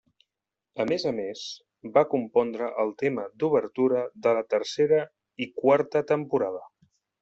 A més a més, va compondre el tema d'obertura de la tercera i quarta temporada.